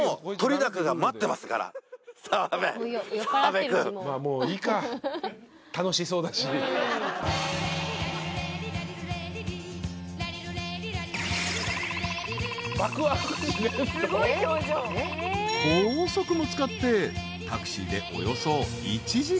［高速も使ってタクシーでおよそ１時間］